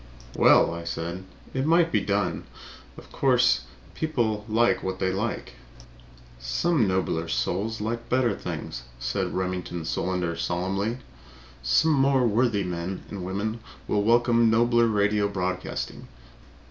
"Well," I said, "it might be done. Of course, people like what they like." "Some nobler souls like better things," said Remington Solander solemnly. "Some more worthy men and women will welcome nobler radio broadcasting.